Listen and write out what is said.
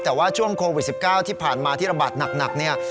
แต่ว่าช่วงโควิด๑๙ที่ผ่านมาที่ระบาดหนักเนี่ย